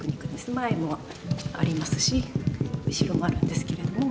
前もありますし後ろもあるんですけれども。